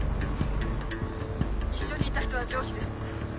一緒にいた人は上司です。